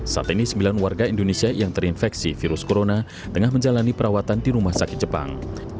saat ini sembilan warga indonesia yang terinfeksi virus corona tengah menjalani perawatan di rumah sakit jepang